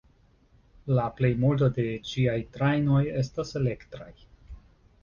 La plejmulto de ĝiaj trajnoj estas elektraj.